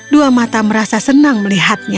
dua mata merasa senang melihatnya